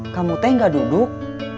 kamu teh gak duduk